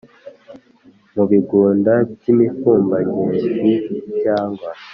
mu bigunda by’imifumbageshi cyangwa